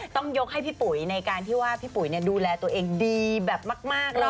ต้องยกให้พี่ปุ๋ยในการที่ว่าพี่ปุ๋ยดูแลตัวเองดีแบบมากเลย